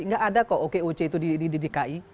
nggak ada kok okoc itu di dki